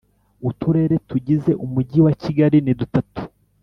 uturere tugize umujyi wa Kigali ni dutatu